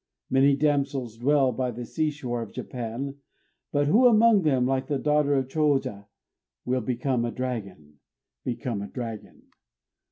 Many damsels dwell by the seashore of Japan; but who among them, like the daughter of the Chôja, will become a dragon? _Become a dragon?